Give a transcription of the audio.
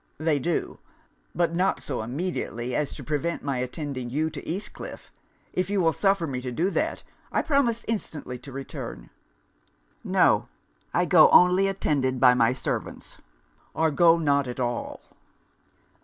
'They do; but not so immediately as to prevent my attending you to East Cliff. If you will suffer me to do that, I promise instantly to return.' 'No. I go only attended by my servants or go not at all.'